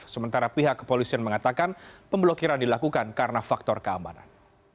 sementara pihak kepolisian mengatakan pemblokiran dilakukan karena faktor keamanan